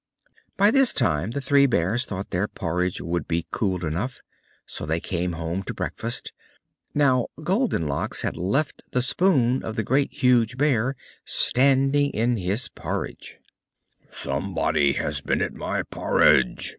By this time the Three Bears thought their porridge would be cool enough; so they came home to breakfast. Now Goldenlocks had left the spoon of the Great, Huge Bear standing in his porridge. "SOMEBODY HAS BEEN AT MY PORRIDGE!"